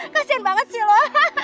kasian banget sih lo